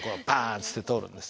っつって取るんです。